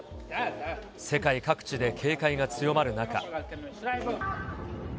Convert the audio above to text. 世界各地で警戒が強まる中。